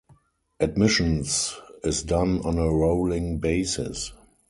Admissions is done on a rolling basis.